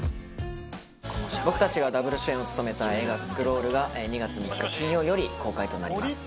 僕たちがＷ主演を務めた映画『スクロール』が２月３日金曜より公開となります。